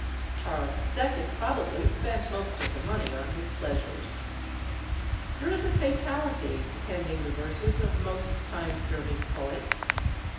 Charles II. probably spent most of the money on his pleasures. There is a fatality attending the verses of most time serving poets.